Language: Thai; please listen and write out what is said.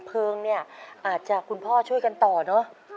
เพลิงเนี่ยอาจจะคุณพ่อช่วยกันต่อเนอะ